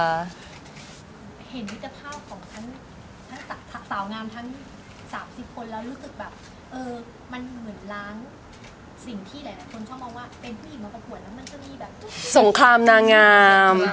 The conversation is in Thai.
เรารู้สึกแบบมันเหมือนล้างสิ่งที่หลายคนชอบมองว่า